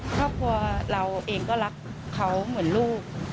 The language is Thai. ครอบครัวเราเองก็รักเขาเหมือนลูก